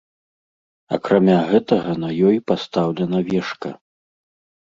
Акрамя гэтага, на ёй пастаўлена вежка.